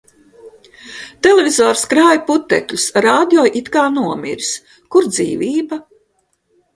Televizors krāj putekļus. Radio it kā nomiris. Kur dzīvība?